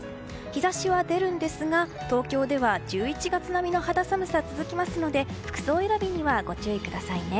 日差しは出るんですが東京では１１月並みの肌寒さが続きますので服装選びにご注意くださいね。